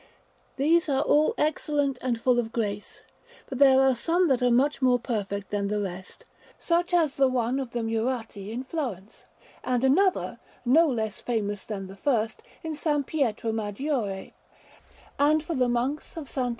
These are all excellent and full of grace, but there are some that are much more perfect than the rest, such as the one of the Murate in Florence, and another, no less famous than the first, in S. Pietro Maggiore; and for the Monks of SS.